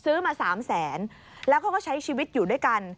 ซื้อมา๓แสนแล้วเขาก็ใช้ชีวิตอยู่ด้วยกัน